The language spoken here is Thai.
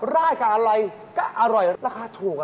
ราดกับอะไรก็อร่อยราคาถูก